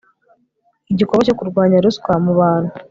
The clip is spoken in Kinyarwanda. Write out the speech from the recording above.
igikorwa cyokurwanya ruswa mubantu